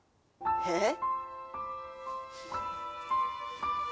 えっ？